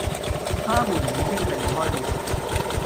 他們已經離開了